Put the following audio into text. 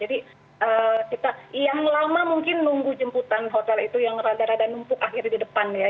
jadi kita yang lama mungkin nunggu jemputan hotel itu yang rada rada numpuk akhirnya di depan ya